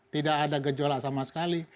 tidak ada gejolak sama sekali